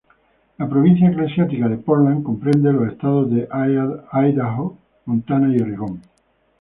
La Provincia Eclesiástica de Portland comprende los estados de Idaho, Montana y Oregón.